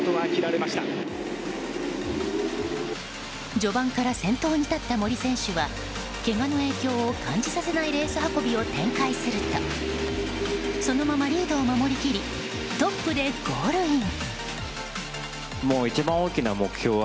序盤から先頭に立った森選手はけがの影響を感じさせないレース運びを展開するとそのままリードを守りきりトップでゴールイン。